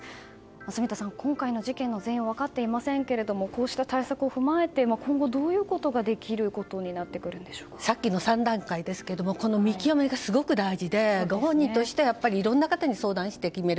住田さん、今回の事件の全容は分かっていませんけれどもこうした対策を踏まえて今後どのようなことがさっきの３段階ですがこの見極めがすごく大事で、ご本人としてはいろんな方に相談して決める。